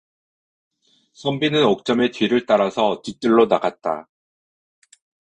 선비는 옥점의 뒤를 따라서 뒤뜰로 나갔다.